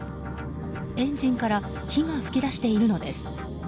エンジンから火が噴き出しているのです。